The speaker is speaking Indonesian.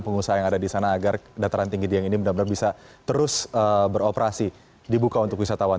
pengusaha yang ada di sana agar dataran tinggi dieng ini benar benar bisa terus beroperasi dibuka untuk wisatawan